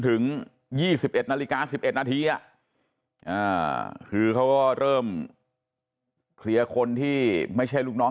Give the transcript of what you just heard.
ถึง๒๑นาฬิกา๑๑นาทีคือเขาก็เริ่มเคลียร์คนที่ไม่ใช่ลูกน้อง